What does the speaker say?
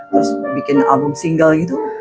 terus bikin album single gitu